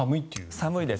寒いです。